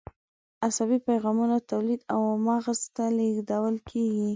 عصبي پیغامونه تولید او مغز ته لیږدول کېږي.